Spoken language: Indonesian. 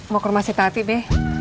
mau ke rumah si tati be